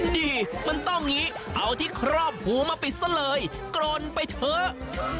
ดีมันต้องอย่างนี้เอาที่ครอบหูมาปิดซะเลยกรนไปเถอะ